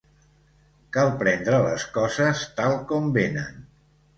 Cal prendre les coses tal com venen.